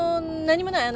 何もない。